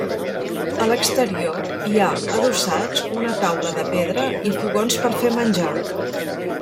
A l'exterior hi ha adossats una taula de pedra i fogons per fer menjar.